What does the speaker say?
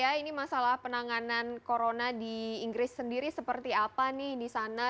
ya ini masalah penanganan corona di inggris sendiri seperti apa nih di sana